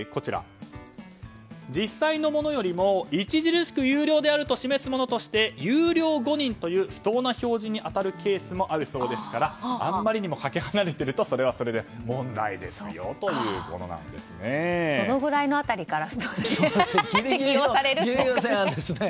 実際のものよりも著しく優良であると示すものとして優良誤認という不当な表示に当たるケースもあるそうですからあまりにもかけ離れているとどのぐらいの辺りから適用されるんですかね。